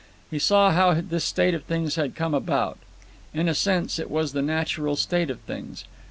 He saw how this state of things had come about. In a sense, it was the natural state of things.